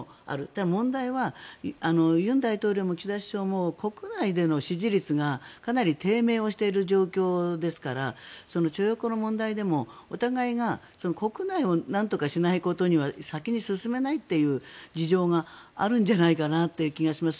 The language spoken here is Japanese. ただ問題は尹大統領も岸田首相も国内での支持率がかなり低迷している状況ですから徴用工の問題でもお互いが国内をなんとかしないことには先に進めないという事情があるんじゃないかなという気がします。